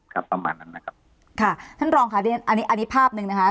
ประมาณนั้นนะครับค่ะท่านรองค่ะเรียนอันนี้อันนี้ภาพหนึ่งนะคะ